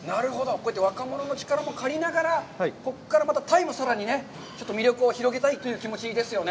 こうやって若者の力もかりながら、ここから、また鯛もさらにちょっと魅力を広げたいという気持ちですね。